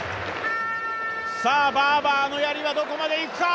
さあバーバーのやりはどこまで行くか？